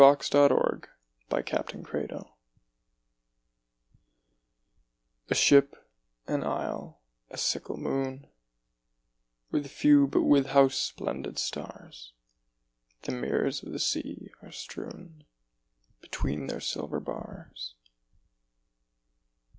174 A Ship^ an Isle, a Sickle Moon A ship, an isle, a sickle moon — With few but with how splendid stars The mirrors of the sea are strewn Between their silver bars